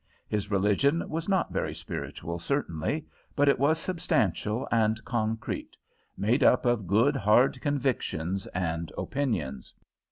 His religion was not very spiritual, certainly, but it was substantial and concrete, made up of good, hard convictions and opinions.